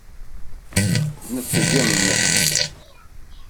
Neṭgem!